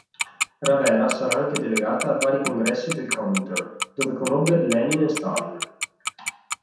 Ravera sarà anche delegata a vari congressi del Comintern, dove conobbe Lenin e Stalin.